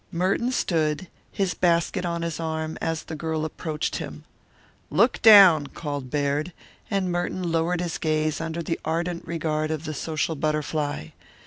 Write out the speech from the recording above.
Merton stood, his basket on his arm, as the girl approached him. "Look down," called Baird, and Merton lowered his gaze under the ardent regard of the social butterfly.